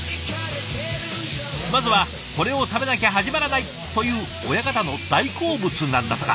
まずはこれを食べなきゃ始まらないという親方の大好物なんだとか。